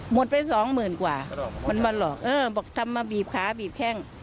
ไปสองหมื่นกว่ามันมาหลอกเออบอกทำมาบีบขาบีบแข้ง